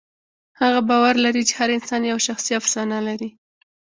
هغه باور لري چې هر انسان یوه شخصي افسانه لري.